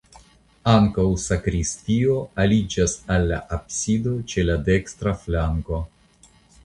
Ankaŭ sakristio aliĝas al la absido ĉe la dekstra flanko.